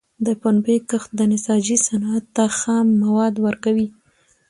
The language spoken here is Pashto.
د پنبي کښت د نساجۍ صنعت ته خام مواد ورکوي.